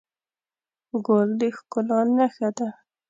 ګل د ښکلا نښه ده.